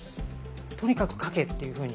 とにかく描けっていうふうに。